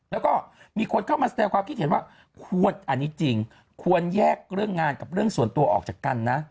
แล้วก็มีคนเข้ามาแสดงความคิดเห็นว่าควรอันนี้จริงควรแยกเรื่องงานกับเรื่องส่วนตัวออกจากกันนะ